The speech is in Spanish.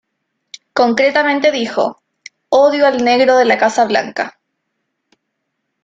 Concretamente dijo "Odio al negro de la Casa Blanca.